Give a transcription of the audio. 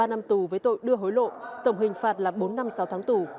ba năm tù với tội đưa hối lộ tổng hình phạt là bốn năm sáu tháng tù